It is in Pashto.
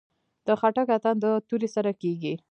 د خټک اتن د تورې سره کیږي.